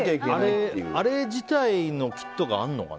あれ自体のキットがあるのかな？